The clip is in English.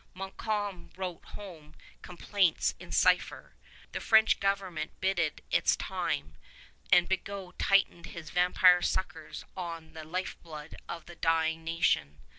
Montcalm wrote home complaints in cipher. The French government bided its time, and Bigot tightened his vampire suckers on the lifeblood of the dying nation.